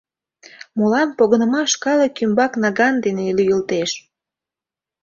Молан погынымаш калык ӱмбак наган дене лӱйылтеш?